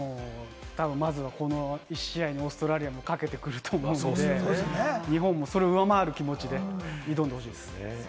まずはこの１試合にオーストラリアもかけてくると思うので、日本もそれを上回る気持ちで挑むべきです。